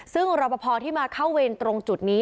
ซึ่งรอปภที่มาเข้าเวรตรงจุดนี้